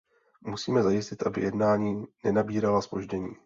Musíme zajistit, aby jednání nenabírala zpoždění.